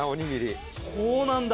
こうなんだ。